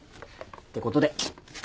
てことで。